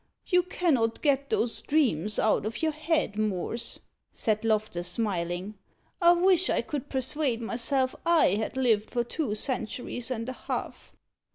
"You cannot get those dreams out of your head, Morse," said Loftus, smiling. "I wish I could persuade myself I had lived for two centuries and a half."